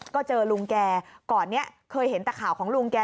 ก็เจอลุงแกก่อนนี้เคยเห็นแต่ข่าวของลุงแก